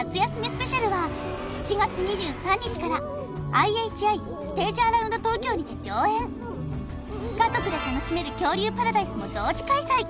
スペシャルは７月２３日からＩＨＩステージアラウンド東京にて上演家族で楽しめる恐竜パラダイスも同時開催